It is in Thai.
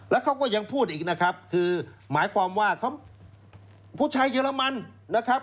แล้วเขาก็ยังพูดอีกนะครับคือหมายความว่าเขาผู้ชายเยอรมันนะครับ